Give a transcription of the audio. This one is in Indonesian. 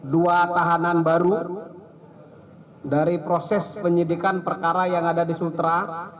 dua tahanan baru dari proses penyidikan perkara yang ada di sultra